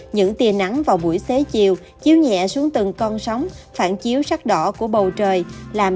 những tia nắng vào buổi xế chiều chiếu nhẹ xuống từng con sóng phản chiếu sắc đỏ của bầu trời làm